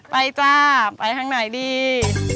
จ้าไปทางไหนดี